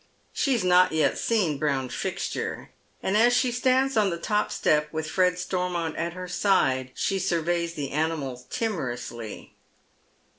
She has not yet seen Brown Fixture, and as she stands on tho top step with Fred Stormout at her side she surveys the animals timorously.